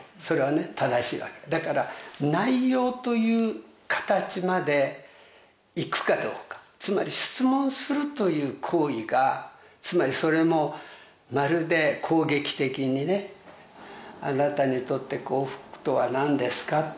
それはね正しいわけだから内容という形までいくかどうかつまり質問するという行為がつまりそれもまるで攻撃的にねあなたにとって幸福とは何ですか？